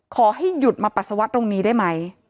ขอให้หยุดมาปัสสาวะตรงนี้ได้ไหม